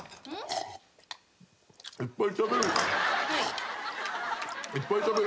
いっぱい食べる。